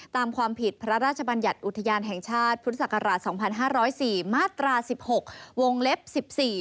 ตามความผิดพระราชบัญญัติอุทยานแห่งชาติพุทธศักราช๒๕๐๔มาตรา๑๖วงเล็บ๑๔